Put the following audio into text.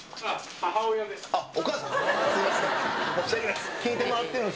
母親です。